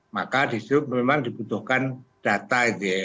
maka disitu memang dibutuhkan data